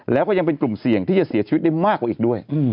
แล้วก็ยังเป็นกลุ่มเสี่ยงที่จะเสียชีวิตได้มากกว่าอีกด้วย